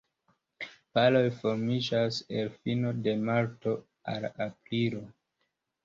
Paroj formiĝas el fino de marto al aprilo.